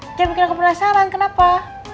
saya bikin aku penasaran kenapa